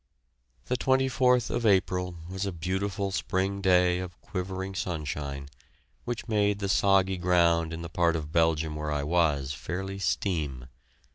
The 24th of April was a beautiful spring day of quivering sunshine, which made the soggy ground in the part of Belgium where I was fairly steam.